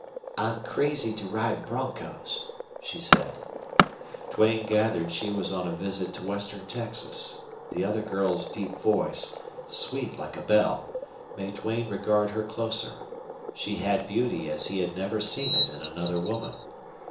"I'm crazy to ride bronchos," she said. Duane gathered she was on a visit to western Texas. The other girl's deep voice, sweet like a bell, made Duane regard her closer. She had beauty as he had never seen it in another woman.